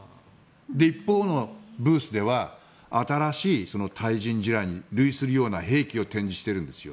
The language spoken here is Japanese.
一方のブースでは新しい対人地雷に類するような兵器を展示しているんですよ。